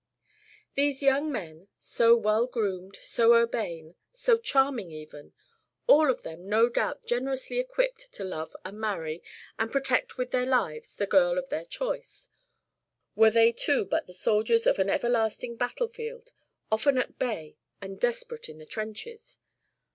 These young men, so well groomed, so urbane, so charming even, all of them no doubt generously equipped to love and marry and protect with their lives the girl of their choice, were they too but the soldiers of an everlasting battlefield, often at bay and desperate in the trenches?